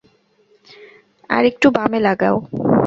আরেকটু বামে লাগাও!